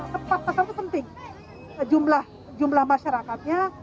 tepat pasal itu penting jumlah masyarakatnya